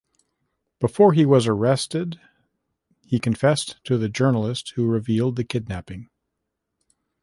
Before he was arrested, he confessed to the journalist who revealed the kidnapping.